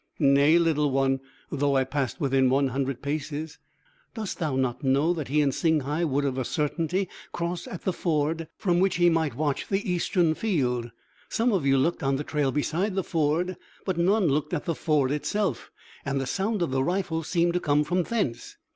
"Nay, little one though I passed within one hundred paces." "Dost thou not know that he and Singhai would of a certainty cross at the ford to reach the fringe of jungle from which he might watch the eastern field? Some of you looked on the trail beside the ford, but none looked at the ford itself. And the sound of the rifle seemed to come from thence."